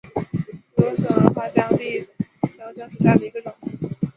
莴笋花为姜科闭鞘姜属下的一个种。